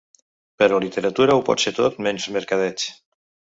Però literatura ho pot ser tot menys mercadeig.